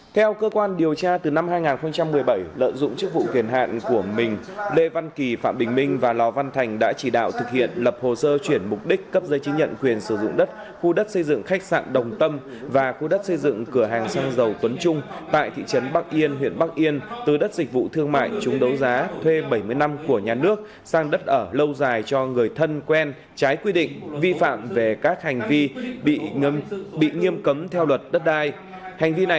theo cơ quan điều tra từ năm hai nghìn một mươi bảy lợi dụng chức vụ quyền hạn của mình lê văn kỳ phạm bình minh và lò văn thành đã chỉ đạo thực hiện lập hồ sơ chuyển mục đích cấp giấy chứng nhận quyền sử dụng đất khu đất xây dựng khách sạn đồng tâm và khu đất xây dựng cửa hàng xăng dầu tuấn trung tại thị trấn bắc yên huyện bắc yên từ đất dịch vụ thương mại chúng đấu giá thuê bảy mươi năm của nhà nước sang đất ở lâu dài cho người thân quen trái quy định vi phạm về các hành vi bị nghiêm cấm theo luật đất đai